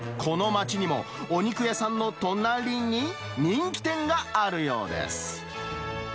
この街にも、お肉屋さんの隣に人気店があるようです。